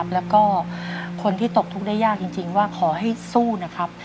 แล้วก็คนที่ตกทุกข์ได้ยากจริงว่าขอให้สู้นะครับ